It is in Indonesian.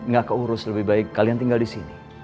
gak keurus lebih baik kalian tinggal disini